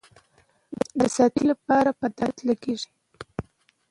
د ساعت تیرۍ لپاره په درد لګېږي.